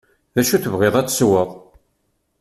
Acu tebɣiḍ ad tesweḍ.